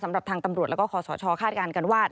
สำหรับทางตำรวจแล้วก็คอสชคาดการณ์กันว่า